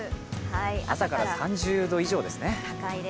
朝から３０度以上ですね。